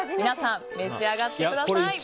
皆さん、召し上がってください。